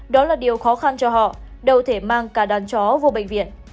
đó là điều khó khăn cho họ đâu thể mang cả đàn chó vô bệnh viện